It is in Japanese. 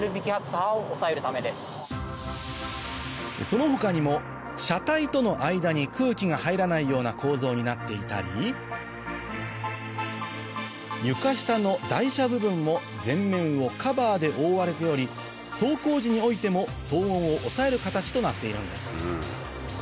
その他にも車体との間に空気が入らないような構造になっていたり床下の台車部分も全面をカバーで覆われており走行時においても騒音を抑える形となっているんです